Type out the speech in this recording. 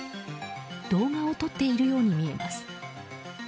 動画を撮っているように見えます。